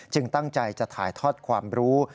ตั้งใจจะถ่ายทอดความรู้